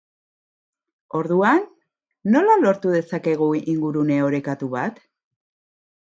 Orduan, nola lortu dezakegu ingurune orekatu bat?